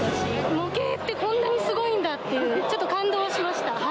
模型ってこんなにすごいんだっていう、ちょっと感動しました。